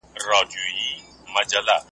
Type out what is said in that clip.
زه خو په تا پسې صــــــنم مات یم